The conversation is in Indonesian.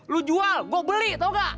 lu jual gua beli tau gak